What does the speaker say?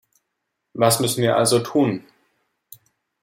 Was müssen wir also tun?